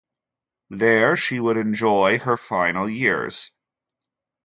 There she would enjoy her final years.